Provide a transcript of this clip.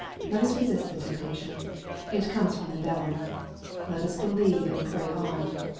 Let us resist the temptation. It comes from the devil. Let lis believe, and pray on.